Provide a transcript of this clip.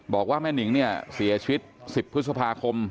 บอกว่าแม่นิงเนี่ยเสียชีวิต๑๐พฤษภาคม